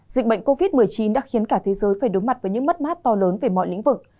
dịch bệnh covid một mươi chín đã khiến cả thế giới phải đối mặt với những mất mát to lớn về mọi lĩnh vực